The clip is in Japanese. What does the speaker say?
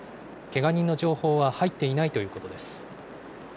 けが人の情報は入っていないということです。